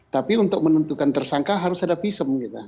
tapi untuk menentukan tersangka harus ada visum gitu